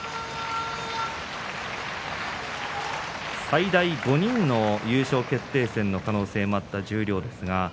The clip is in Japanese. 最大５人の優勝決定戦の可能性もあった十両です。